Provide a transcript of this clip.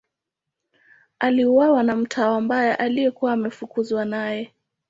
Aliuawa na mtawa mbaya aliyekuwa ameafukuzwa naye.